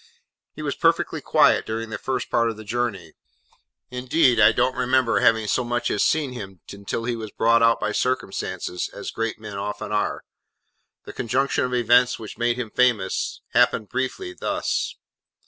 He was perfectly quiet during the first part of the journey: indeed I don't remember having so much as seen him until he was brought out by circumstances, as great men often are. The conjunction of events which made him famous, happened, briefly, thus.